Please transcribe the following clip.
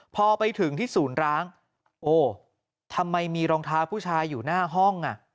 พอไปถึงที่ศูนย์ร้างโอ้ทำไมมีรองเท้าผู้ชายอยู่หน้าห้องอ่ะ